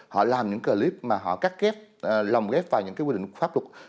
họ làm những clip mà họ cắt ghép lồng ghép vào những cái quy định của pháp luật